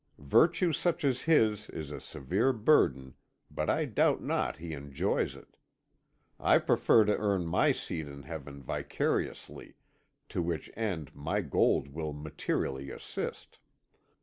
Virtue such as his is a severe burden, but I doubt not he enjoys it. I prefer to earn my seat in heaven vicariously, to which end my gold will materially assist.